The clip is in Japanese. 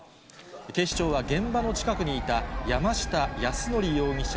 警視庁は現場の近くにいた、山下泰範容疑者